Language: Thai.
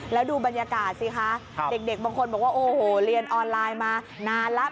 แล้วดูบรรยากาศสิคะเด็กบางคนบอกว่าโอ้โหเรียนออนไลน์มานานแล้ว